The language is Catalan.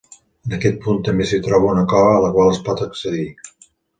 En aquest punt també s'hi troba una cova a la qual es pot accedir.